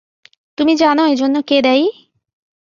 তুমি জান এজন্যে কে দায়ী?